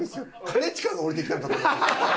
兼近が降りてきたんかと。